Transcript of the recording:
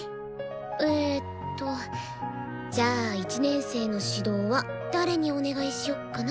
えっとじゃあ１年生の指導は誰にお願いしよっかな。